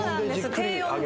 低温で・